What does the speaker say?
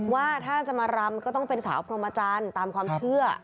ว่าถ้าจะมารำก็ต้องเป็นสาวพรหมจันทร์ตามความเชื่อ